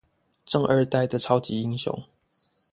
政二代的超級英雄